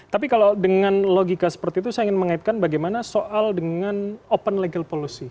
tapi kalau dengan logika seperti itu saya ingin mengaitkan bagaimana soal dengan open legal policy